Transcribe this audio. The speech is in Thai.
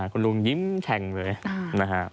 คุณลุงยิ้มแฉ่งเลยนะครับ